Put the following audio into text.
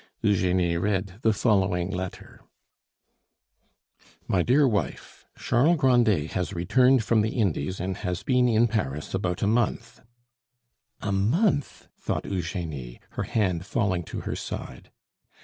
Eugenie read the following letter: My dear Wife, Charles Grandet has returned from the Indies and has been in Paris about a month "A month!" thought Eugenie, her hand falling to her side.